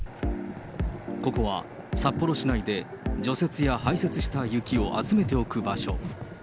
ここは札幌市内で除雪や排雪した雪を集めておく場所。